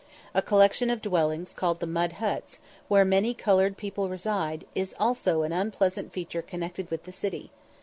A collection of dwellings called the Mud Huts, where many coloured people reside, is also an unpleasing feature connected with the city.